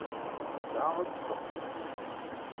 Ttesɛa ad teffeɣ fell-as.